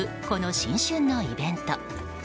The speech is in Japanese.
この新春のイベント。